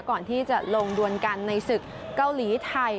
ก่อนที่จะลงดวนกันในศึกเกาหลีไทย